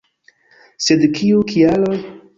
Sed kiuj kialoj?